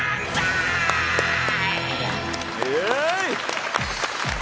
イエーイ。